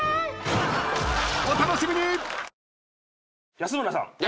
安村さん。